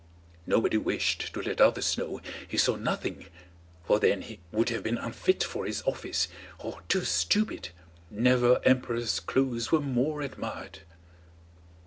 Nobody wished to let others know he saw nothing, for then he would have been unfit for his office or too stupid. Never emperor's clothes were more admired.